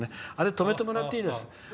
止めてもらっていいですか。